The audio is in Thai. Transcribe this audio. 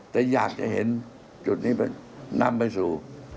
แต่อยากจะเห็นจุดนี้นำไปสู่